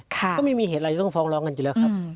ก็ไม่มีเหตุอะไรจะต้องฟ้องร้องกันอยู่แล้วครับ